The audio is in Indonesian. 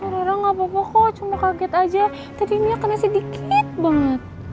ra ra gak apa apa kok cuma kaget aja tadi ini kena sedikit banget